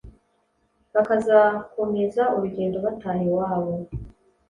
bakazakomeza urugendo bataha iwabo